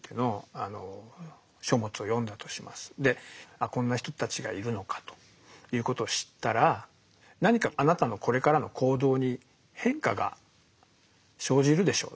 あこんな人たちがいるのかということを知ったら何かあなたのこれからの行動に変化が生じるでしょう。